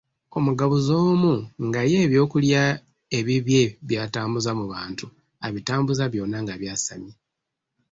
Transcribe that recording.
Omugabuzi omu nga ye eby'okulya ebibye by'atambuza mu bantu abitambuza byonna nga byasamye.